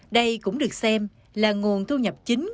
đây cũng được xem là nguồn thu nhập chính